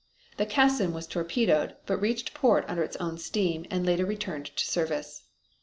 The Cassin was torpedoed, but reached port under its own steam and later returned to service.